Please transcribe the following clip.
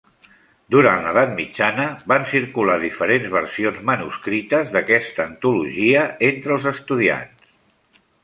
Durant l'edat mitjana, van circular diferents versions manuscrites d'aquesta antologia entre els estudiants.